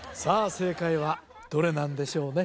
正解はどれなんでしょうね